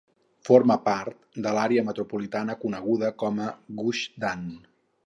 Forma part de l'àrea metropolitana coneguda com a Gush Dan.